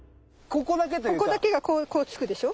ここだけがこうつくでしょ。